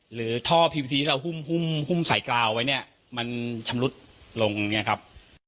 หรือท่อที่เราหุ้มหุ้มหุ้มสายกลาวไว้เนี้ยมันชำรุดลงอย่างเงี้ยครับ